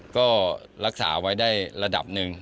ก็รักษาไว้ได้ระดับหนึ่ง